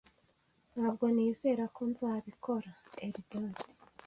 Ntabwo nizera ko nzabikora. (Eldad)